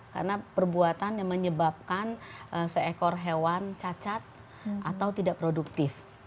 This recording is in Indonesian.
karena perbuatan yang menyebabkan seekor hewan cacat atau tidak produktif